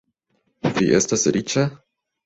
Vi estas riĉa?